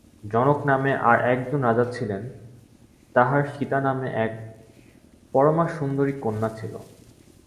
জনক নামে আর একজন রাজা ছিলেন, তাঁহার সীতা নামে এক পরমাসুন্দরী কন্যা ছিল।